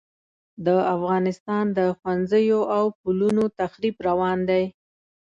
د افغانستان د ښوونځیو او پلونو تخریب روان دی.